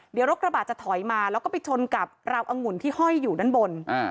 เดี๋ยวรถกระบะจะถอยมาแล้วก็ไปชนกับราวอังุ่นที่ห้อยอยู่ด้านบน